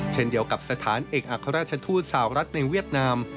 เช่นเดียวกับสถานเอกอัครราชทูตสาวรัฐในเวียดนาม